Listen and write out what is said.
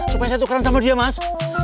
supaya saya tukaran sama dia mas